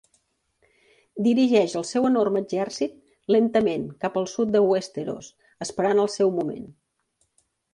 Dirigeix el seu enorme exèrcit lentament cap al sud de Westeros, esperant el seu moment.